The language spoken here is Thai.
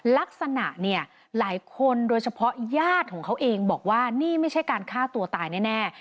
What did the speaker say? ลักษณะเนี่ยหลายคนโดยเฉพาะญาติของเขาเองบอกว่านี่ไม่ใช่การฆ่าตัวตายแน่